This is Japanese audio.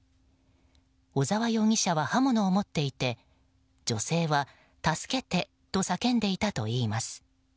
小沢容疑者は刃物を持っていて女性は、助けて！と叫んでいたといいます。